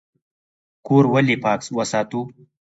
کور ولې پاک وساتو؟